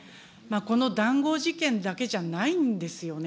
この談合事件だけじゃないんですよね。